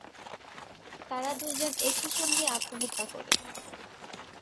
তারা দুই জন একই সঙ্গে আত্মহত্যা করেন।